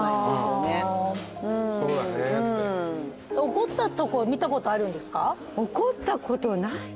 怒ったとこ見たことあるんですか？